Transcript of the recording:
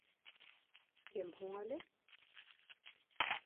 Кем һуң әле?